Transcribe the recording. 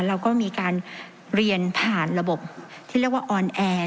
เราก็มีการเรียนผ่านระบบที่เรียกว่าออนแอร์